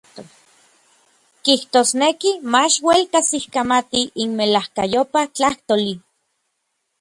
Kijtosneki mach uel kajsikamati n melajkayopaj tlajtoli.